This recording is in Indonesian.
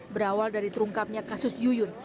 berawal dari terungkapnya kasus yuyun